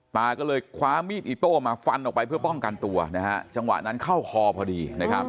ตาก็เลยคว้ามีดอิโต้มาฟันออกไปเพื่อป้องกันตัวนะฮะจังหวะนั้นเข้าคอพอดีนะครับ